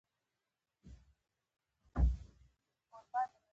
سپینې سپوږمۍ ته سلام وکړه؛ زه به سلام کړم.